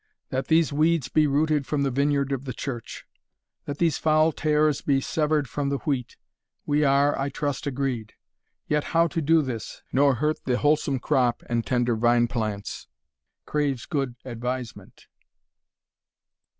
That these weeds Be rooted from the vineyard of the church. That these foul tares be severed from the wheat, We are, I trust, agreed. Yet how to do this, Nor hurt the wholesome crop and tender vine plants, Craves good advisement.